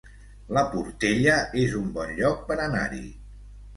La Portella es un bon lloc per anar-hi